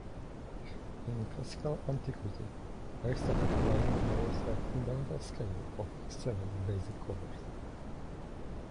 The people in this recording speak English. In Classical Antiquity, Aristotle claimed there was a fundamental scale of seven basic colors.